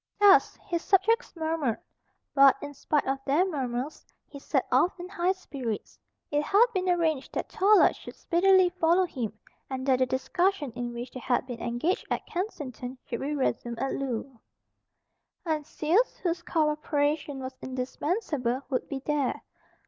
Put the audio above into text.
Thus his subjects murmured; but, in spite of their murmurs, he set off in high spirits. It had been arranged that Tallard should speedily follow him, and that the discussion in which they had been engaged at Kensington should be resumed at Loo. Heinsius, whose cooperation was indispensable, would be there.